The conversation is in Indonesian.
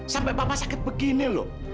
sampai bapak sakit begini loh